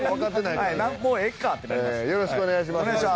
よろしくお願いします。